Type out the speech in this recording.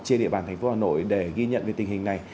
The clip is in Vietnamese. trên địa bàn tp hà nội để ghi nhận về tình hình này